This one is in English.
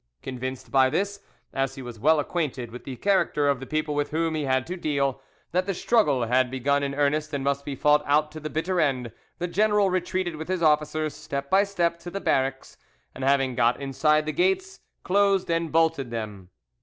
Convinced by this, as he was well acquainted with the character of the people with whom he had to deal, that the struggle had begun in earnest and must be fought out to the bitter end, the general retreated with his officers, step by step, to the barracks, and having got inside the gates, closed and bolted them.